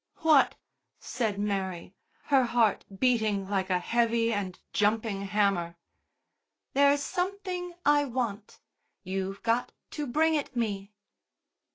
"What?" said Mary, her heart beating like a heavy and jumping hammer. "There's something I want. You've got to bring it me."